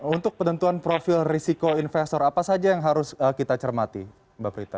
untuk penentuan profil risiko investor apa saja yang harus kita cermati mbak prita